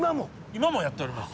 今もやっております。